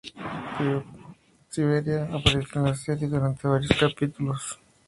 El propio Civera apareció en la serie durante varios capítulos interpretándose a sí mismo.